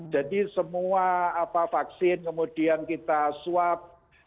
jadi semua vaksin kemudian kita swab